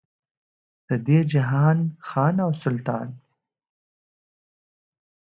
د دې جهان خان او سلطان.